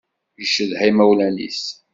Yeccedha imawlan-is.